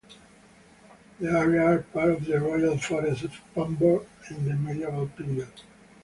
The area was part of the Royal Forest of Pamber in the medieval period.